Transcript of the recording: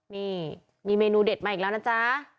นี่มีเมนูเด็ดมาอีกแล้วนะจ๊ะ